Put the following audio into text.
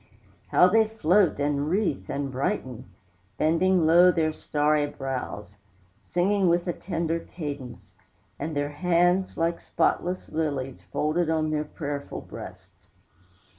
How they float and wreathe and brighten, Bending low their starry brows, Singing with a tender cadence, And their hands, like spotless lilies, Folded on their prayerful breasts.